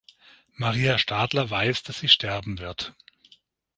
Maria Stadler weiß, dass sie sterben wird.